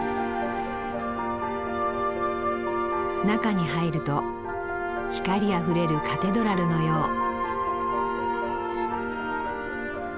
中に入ると光あふれるカテドラルのよう。